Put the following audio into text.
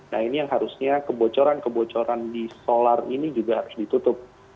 nah ini yang harusnya kebocoran kebocoran di solar ini juga harus ditutup